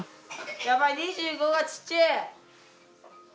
やばい２５がちっちぇ！